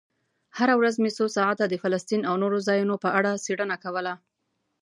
هره ورځ مې څو ساعته د فلسطین او نورو ځایونو په اړه څېړنه کوله.